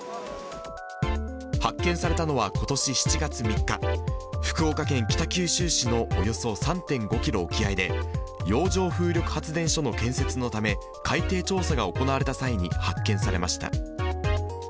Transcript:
発見されたのはことし７月３日、福岡県北九州市のおよそ３．５キロ沖合で、洋上風力発電所の建設のため、海底調査が行われた際に発見されました。